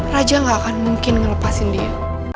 raja gak akan mungkin melepaskan dia